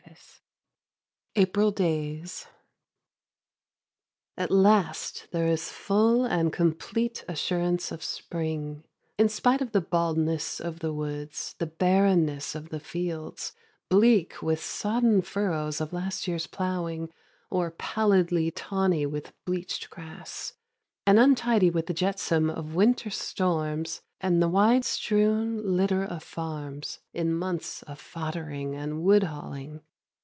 VI APRIL DAYS At last there is full and complete assurance of spring, in spite of the baldness of the woods, the barrenness of the fields, bleak with sodden furrows of last year's ploughing, or pallidly tawny with bleached grass, and untidy with the jetsam of winter storms and the wide strewn litter of farms in months of foddering and wood hauling.